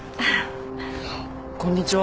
こんにちは。